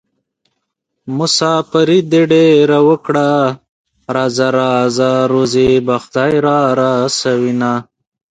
مساپري دې ډېره وکړه راځه راځه روزي به خدای رارسوينه